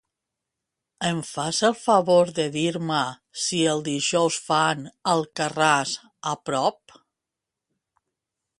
Em fas el favor de dir-me si el dijous fan "Alcarràs" a prop?